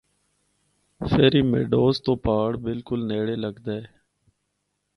Ferry Meadows تو پہاڑ بلکل نیڑے لگدا ہے۔